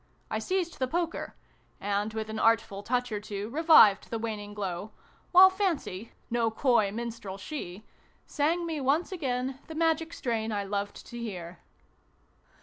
I seized the poker, and with an artful touch or two revived the waning glow, while Fancy no coy minstrel she sang me once again the magic strain I loved to hear.